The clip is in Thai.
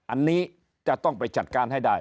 อันนี้จะต้องไปจัดการให้ได้